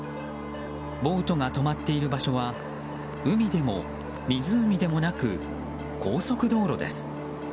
ボートが止まっている場所は海でも湖でもなく高速道路です。